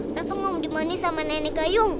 nerafa mau dimanis sama nenek gayu